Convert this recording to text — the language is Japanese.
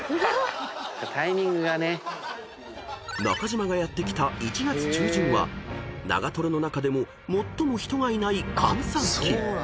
［中島がやって来た１月中旬は長瀞の中でも最も人がいない閑散期］